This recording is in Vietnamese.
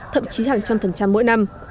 thậm chí hàng trăm phần trăm mỗi năm